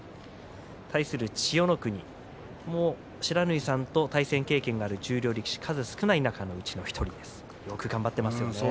対する千代の国、不知火さんと対戦経験がある十両力士数少ないうちの１人ですねよく頑張っていますね。